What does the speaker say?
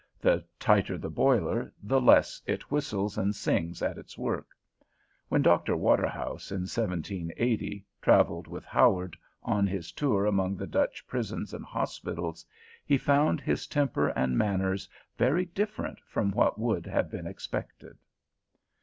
The tighter the boiler, the less it whistles and sings at its work. When Dr. Waterhouse, in 1780, travelled with Howard, on his tour among the Dutch prisons and hospitals, he found his temper and manners very different from what would have been expected.